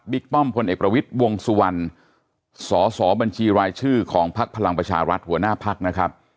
ป้อมพลเอกประวิทย์วงสุวรรณสอสอบัญชีรายชื่อของพักพลังประชารัฐหัวหน้าพักนะครับ